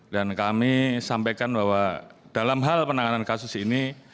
dan kami sampaikan bahwa dalam hal penanganan kasus ini